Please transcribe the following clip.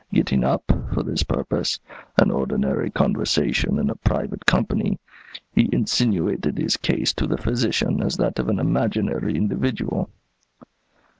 Getting up, for this purpose, an ordinary conversation in a private company, he insinuated his case to the physician as that of an imaginary individual.